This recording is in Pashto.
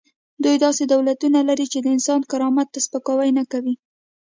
دوی داسې دولتونه لري چې د انسان کرامت ته سپکاوی نه کوي.